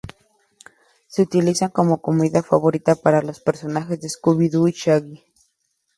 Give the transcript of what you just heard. Se utilizan como comida favorita para los personajes de Scooby-Doo y Shaggy.